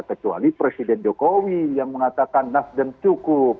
pada saat ini pak suria dan pak jokowi yang mengatakan nasdem cukup